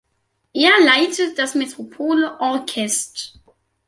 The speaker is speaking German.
Er leitet das Metropole Orkest.